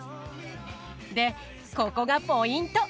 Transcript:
でここがポイント！